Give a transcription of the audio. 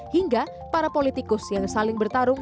hingga para politikus yang saling bertarung